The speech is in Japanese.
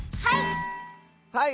はい！